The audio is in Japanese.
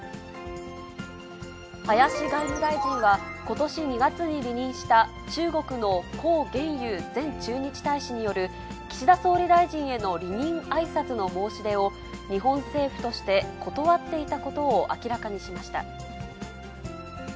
林外務大臣は、ことし２月に離任した中国の孔鉉佑前駐日大使による岸田総理大臣への離任あいさつの申し出を日本政府として断っていたことを明らかにしました。